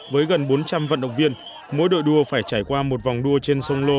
với gần bốn trăm linh vận động viên mỗi đội đua phải trải qua một vòng đua trên sông lô